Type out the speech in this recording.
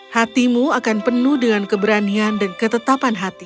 hatimu akan penuh dengan keberanian dan ketetapan hati